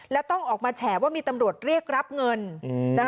แล้วต้องออกมาแฉว่ามีตำรวจเรียกรับเงิน